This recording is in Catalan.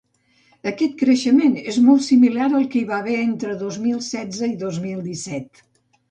Aquest creixement és molt similar al que hi va haver entre dos mil setze i dos mil disset.